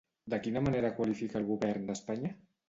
De quina manera qualifica al govern d'Espanya?